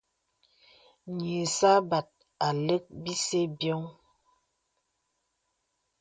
Yì sâbāt à lək bìsə bìoŋ.